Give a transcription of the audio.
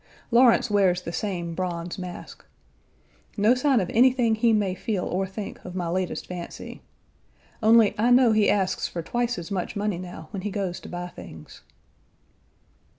Lawrence wears the same bronze mask. No sign of anything he may feel or think of my latest fancy. Only, I know he asks for twice as much money now when he goes to buy things.